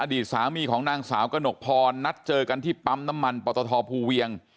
อดีตสามีของนางสาวกระหนกพรนัดเจอกันที่ปั๊มน้ำมันปตทภูเวียง